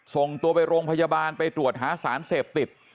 ส่งตัวไปโรงพยาบาลไปตรวจหาสารเสพติด